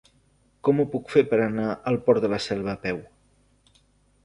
Com ho puc fer per anar al Port de la Selva a peu?